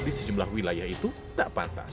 di sejumlah wilayah itu tak pantas